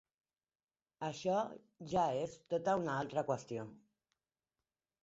Això ja és tota una altra qüestió.